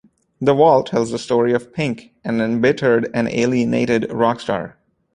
"The Wall" tells the story of Pink, an embittered and alienated rock star.